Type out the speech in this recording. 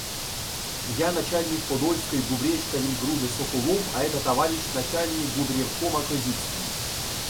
Я — начальній Подольской ґубчєка Вільґруде-Соко- лов, а ета таваріщ начальній губрєвкома Козіцкій.